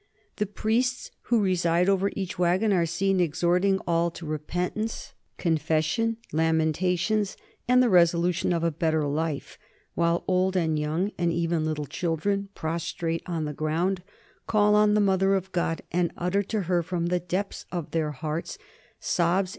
The priests who preside over each wagon are seen exhorting all to repentance, confession, lamentations, and the resolution of a better life, while old and young and even little children, prostrate on the ground, call on the Mother of God and utter to her, from the depth of their hearts, sobs a.